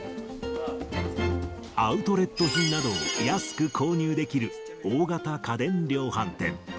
アウトレット品などを安く購入できる大型家電量販店。